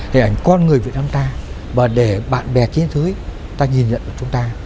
hình ảnh con người việt nam ta và để bạn bè chiến thức ta nhìn nhận chúng ta